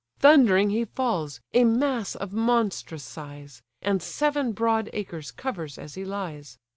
Thundering he falls, a mass of monstrous size: And seven broad acres covers as he lies.